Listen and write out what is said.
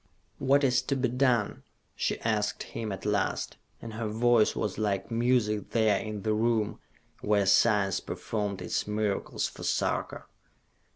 "What is to be done?" she asked him at last, and her voice was like music there in the room where science performed its miracles for Sarka.